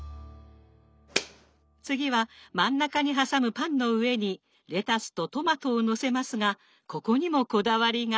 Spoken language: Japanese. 次は真ん中に挟むパンの上にレタスとトマトをのせますがここにもこだわりが！